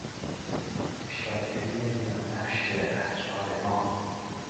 افشاگری زیانبخش اسرار ما